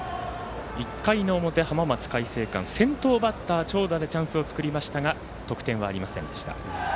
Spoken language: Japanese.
１回の表、浜松開誠館先頭バッター長打でチャンスを作りましたが得点はありませんでした。